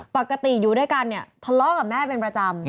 ปกติอยู่ด้วยกันเนี่ยทะเลาะกับแม่เป็นประจำ